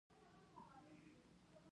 د خلجیانو په دې سیمه کې ژوند کړی.